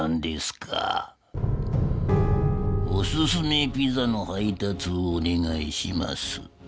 おすすめピザの配たつをおねがいします。